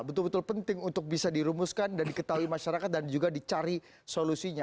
betul betul penting untuk bisa dirumuskan dan diketahui masyarakat dan juga dicari solusinya